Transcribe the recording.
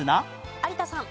有田さん。